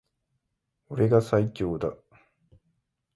俺が最強だ